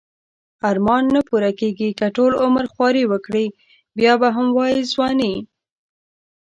ارمان نه پوره کیږی که ټول عمر خواری وکړی بیا به هم وایی ځوانی